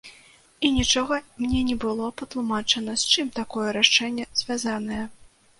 І нічога мне не было патлумачана, з чым такое рашэнне звязанае.